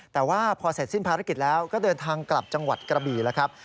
แต่ว่าพอเสร็จสิ้นภารกิจแล้วก็เดินทางกลับจังหวัดกระบี่แล้วครับ